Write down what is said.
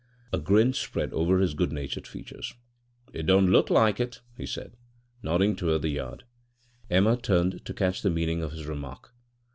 < 4 > A grin spread over his good natured features. "It don't look like it," he said, nodding towards the yard. Emma turned to catch the meaning of his remark.